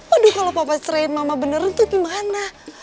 aduh kalau papa ceraiin mama beneran tuh gimana